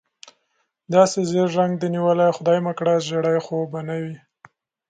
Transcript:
داسې ژېړ رنګ دې نیولی، خدای مکړه زېړی خو به نه یې؟